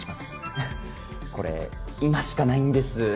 ははっこれ今しかないんです。